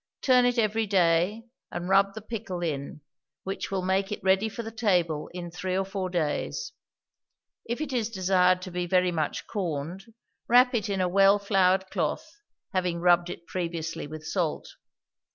Turn it every day and rub the pickle in, which will make it ready for the table in three or four days; if it is desired to be very much corned, wrap it in a well floured cloth, having rubbed it previously with salt.